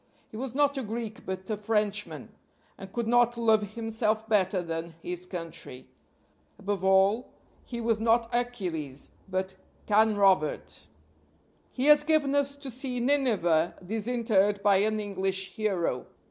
He was not a Greek but a Frenchman and could not love himself better than his country. Above all, he was not Achilles, but Canrobert. He has given us to see Nineveh disinterred by an English hero.